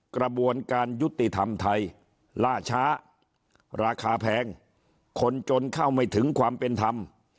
กระบวนการยุติธรรมไทยล่าช้าราคาแพงคนจนเข้าไม่ถึงความเป็นธรรม